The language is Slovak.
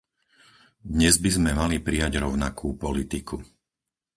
Dnes by sme mali prijať rovnakú politiku.